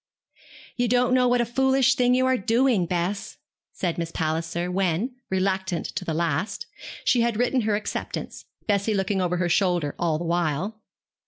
'You don't know what a foolish thing you are doing, Bess,' said Miss Palliser, when reluctant to the last she had written her acceptance, Bessie looking over her shoulder all the while.